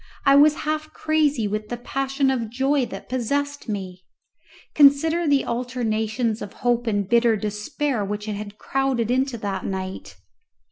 I was half crazy with the passion of joy that possessed me. Consider the alternations of hope and bitter despair which had been crowded into that night!